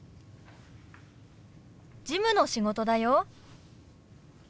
事務の仕事だよ。